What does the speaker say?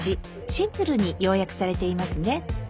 シンプルに要約されていますね。